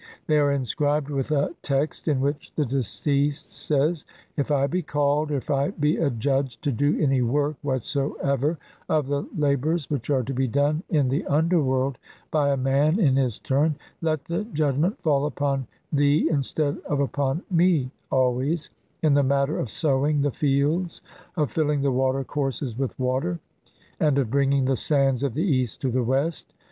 They are inscribed with a text in which the deceased says, "If I be called, or if I be "adjudged to do any work whatsoever of the labours "which are to be done in the underworld by a man "in his turn, let the judgment fall upon thee instead "of upon me always, in the matter of sowing the "fields, of filling the water courses with water, and "of bringing the sands of the east to the west."